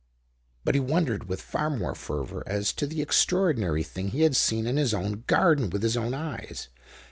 But he wondered with far more fervor as to the extraordinary thing he had seen in his own garden with his own eyes.